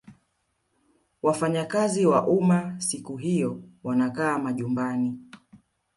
wafanyakazi wa umma siku hiyo wanakaa majumbani